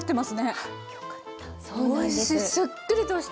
はっよかった。